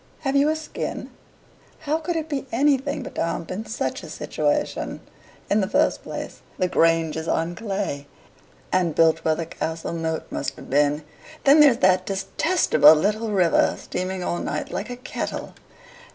have you a skin? How could it be anything but damp in such a situation? In the first place, the Grange is on clay, and built where the castle moat must have been; then there's that destestable little river, steaming all night like a kettle.